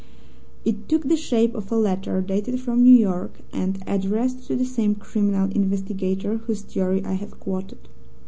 It took the shape of a letter dated from New York, and addressed to the same criminal investigator whose theory I have quoted.